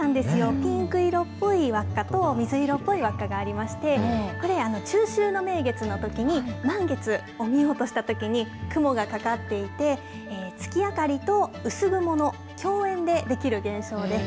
ピンク色っぽいわっかと、水色っぽいわっかがありまして、これ、中秋の名月のときに、満月を見ようとしたときに、雲がかかっていて、月明りと薄雲の共演で出来る現象です。